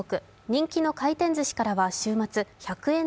人気の回転ずしからは週末１００円